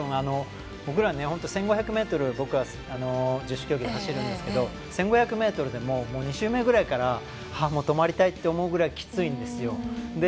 １５００ｍ僕は十種競技で走るんですけど１５００ｍでも２周目くらいからもう止まりたいって思うくらいきついんですよ。